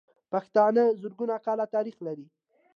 پښتانه زرګونه کاله تاريخ لري.